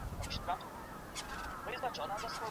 پرتله کول ذهن خلاصوي.